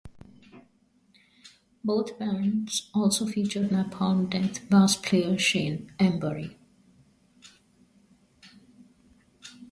Both bands also featured Napalm Death bass player Shane Embury.